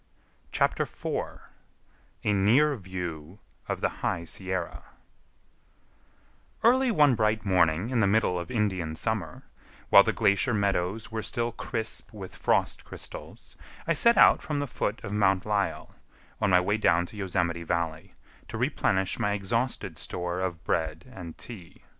CHAPTER IV A NEAR VIEW OF THE HIGH SIERRA Early one bright morning in the middle of Indian summer, while the glacier meadows were still crisp with frost crystals, I set out from the foot of Mount Lyell, on my way down to Yosemite Valley, to replenish my exhausted store of bread and tea.